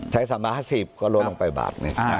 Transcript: ใช้๓บาท๕๐ก็ลดลงไป๑บาท